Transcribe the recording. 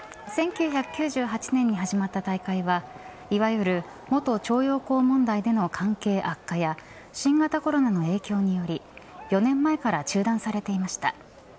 １９９８年に始まった大会はいわゆる元徴用工問題での関係悪化や新型コロナの影響により４年前から中断されていました。